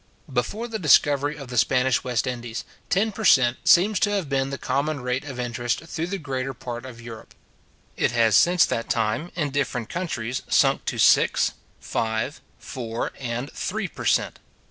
Before the discovery of the Spanish West Indies, ten per cent. seems to have been the common rate of interest through the greater part of Europe. It has since that time, in different countries, sunk to six, five, four, and three per cent.